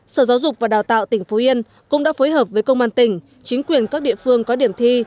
sở giáo dục và đào tạo tỉnh phú yên cũng đã phối hợp với công an tỉnh chính quyền các địa phương có điểm thi